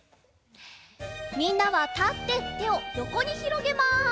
みんなはたっててをよこにひろげます！